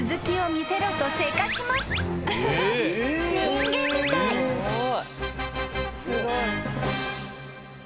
［人間みたい］